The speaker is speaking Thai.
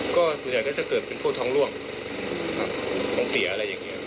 ก็ส่วนใหญ่ก็จะเกิดเป็นพวกท้องล่วงท้องเสียอะไรอย่างนี้